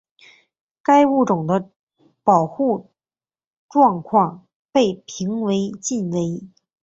该物种的保护状况被评为近危。